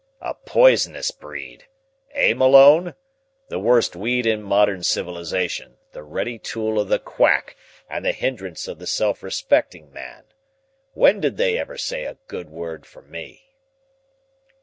"A poisonous breed! Eh, Malone? The worst weed in modern civilization, the ready tool of the quack and the hindrance of the self respecting man! When did they ever say a good word for me?"